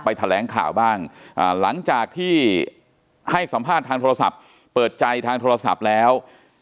แถลงข่าวบ้างหลังจากที่ให้สัมภาษณ์ทางโทรศัพท์เปิดใจทางโทรศัพท์แล้ว